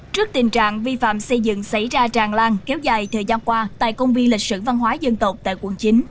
trước tình trạng vi phạm xây dựng xảy ra tràn lan kéo dài thời gian qua tại công viên lịch sử văn hóa dân tộc tại quận chín